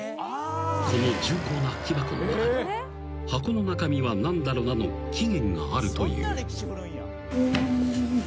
［この重厚な木箱の中に「箱の中身はなんだろな？」の起源があるという］